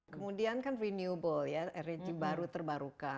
kemudian kan renewable ya